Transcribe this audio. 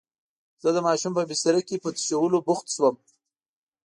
زه د ماشوم په بستره کې په تشولو بوخت شوم.